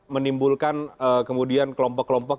menimbulkan kemudian kelompok kelompok